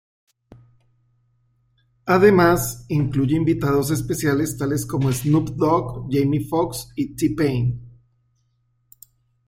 Además, incluye invitados especiales tales como Snoop Dogg, Jamie Foxx y T-Pain.